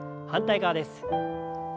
反対側です。